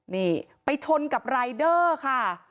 นี่ไปชนกับรายเดอร์ค่ะ